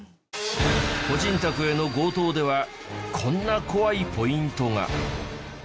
個人宅への強盗ではこんな怖いポイントが。